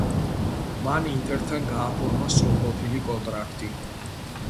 მან ინტერთან გააფორმა სრულყოფილი კონტრაქტი.